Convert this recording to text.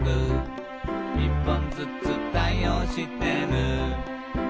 「１本ずつ対応してる」